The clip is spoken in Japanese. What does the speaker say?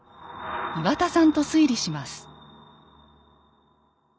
岩田さんと推理します。